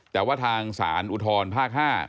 แต่ว่าทางศาลอุทธรภาค๕